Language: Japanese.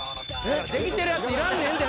できてるやついらんねんってだから。